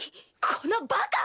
このバカ！